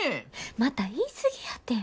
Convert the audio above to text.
また言い過ぎやて。